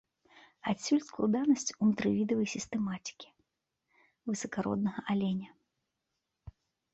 Адсюль складанасць унутрывідавай сістэматыкі высакароднага аленя.